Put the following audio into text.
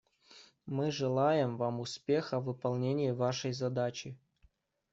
Мы желаем вам успеха в выполнении вашей задачи.